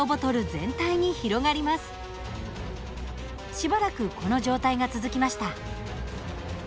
しばらくこの状態が続きました。